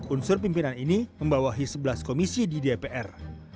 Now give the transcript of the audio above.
unsur pimpinan ini membawahi sebelas komisi di dpr